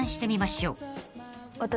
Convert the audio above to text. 私。